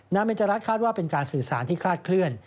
เมนจรัสคาดว่าเป็นการสื่อสารที่คลาดเคลื่อน